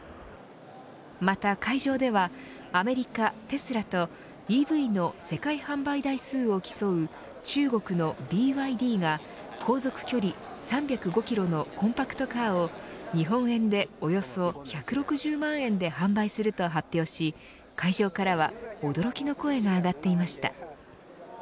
また会場ではアメリカ、テスラとＥＶの世界販売台数を競う中国のＢＹＤが航続距離３０５キロのコンパクトカーを日本円でおよそ１６０万円で販売すると発表し会場からは驚きの声が上がっていました。